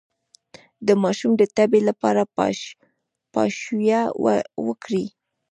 د ماشوم د تبې لپاره پاشویه وکړئ